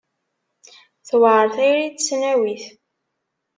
Tewɛer tayri n tesnawit.